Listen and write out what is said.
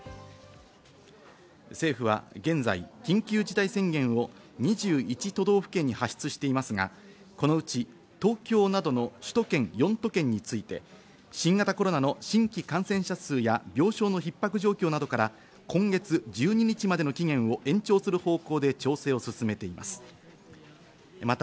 政府は現在、緊急事態宣言を２１都道府県に発出していますがこの内、東京などの首都圏４都県について新型コロナの新規感染者数や病床の逼迫状況などから、今月１２日までの期限を延長する方向で調整を進めています。